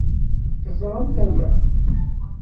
Teẓramt aya.